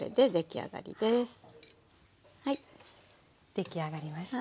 出来上がりました。